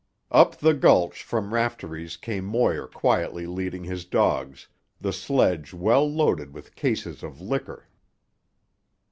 Up the gulch from Raftery's came Moir quietly leading his dogs, the sledge well loaded with cases of liquor.